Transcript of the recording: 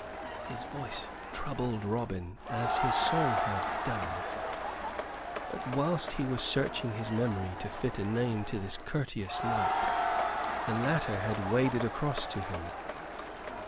His voice troubled Robin as his song had done; but whilst he was searching his memory to fit a name to this courteous knight the latter had waded across to him.